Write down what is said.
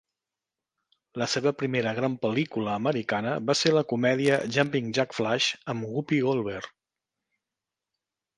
La seva primera gran pel·lícula americana va ser la comèdia "Jumpin' Jack Flash" amb Whoopi Goldberg.